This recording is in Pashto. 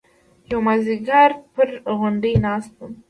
يو مازديگر پر غونډۍ ناست وم.